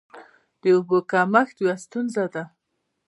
د اوبو کمښت یوه ستونزه ده.